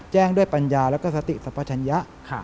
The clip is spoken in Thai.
แจ้งด้วยปัญญาแล้วก็สติสัมปชัญญะ